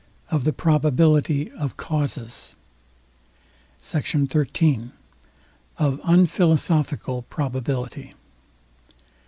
OF THE PROBABILITY OF CAUSES. SECT. XIII. OF UNPHILOSOPHICAL PROBABILITY.